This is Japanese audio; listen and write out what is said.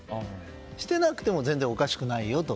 してなくても全然おかしくないよと。